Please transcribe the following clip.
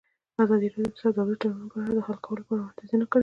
ازادي راډیو د سوداګریز تړونونه په اړه د حل کولو لپاره وړاندیزونه کړي.